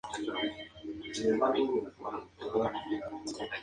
La entidad no puede afectar al mundo desde un plano físico.